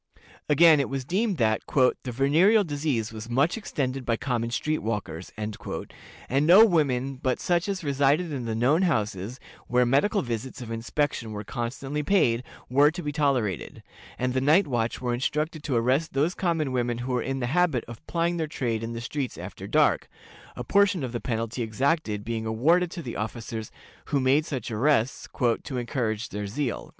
Again, it was deemed that "the venereal disease was much extended by common street walkers," and no women but such as resided in the known houses, where medical visits of inspection were constantly paid, were to be tolerated, and the night watch were instructed to arrest those common women who were in the habit of plying their trade in the streets after dark a portion of the penalty exacted being awarded to the officers who made such arrests, "to encourage their zeal."